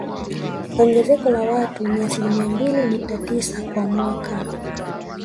Ongezeko la watu ni asilimia mbili nukta tisa kwa mwaka